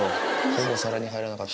ほぼ皿に入らなかった。